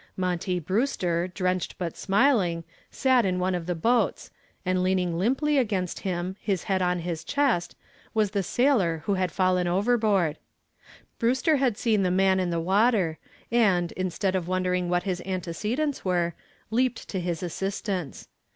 Monty Brewster, drenched but smiling, sat in one of the boats, and leaning limply against him, his head on his chest, was the sailor who had fallen overboard. Brewster had seen the man in the water and, instead of wondering what his antecedents were, leaped to his assistance.